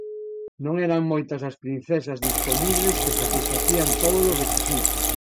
Non eran moitas as princesas dispoñibles que satisfacían todos os requisitos.